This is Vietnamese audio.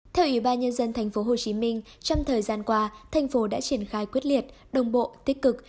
theo ubnd tp hcm trong thời gian qua thành phố đã triển khai quyết liệt đồng bộ tích cực